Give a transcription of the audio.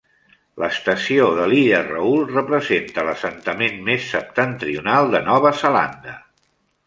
L'estació de l'illa Raoul representa l'assentament més septentrional de Nova Zelanda.